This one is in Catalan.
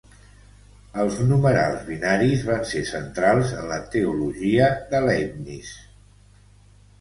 Els numerals binaris van ser centrals en la teologia de Leibniz.